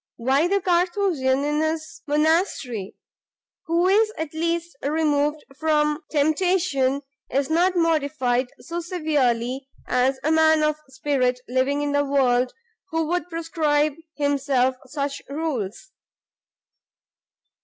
why the Carthusian in his monastery, who is at least removed from temptation, is not mortified so severely as a man of spirit living in the world, who would prescribe himself such rules."